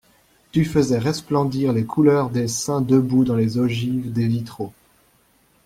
Tu faisais resplendir les couleurs des saints debout dans les ogives des vitraux.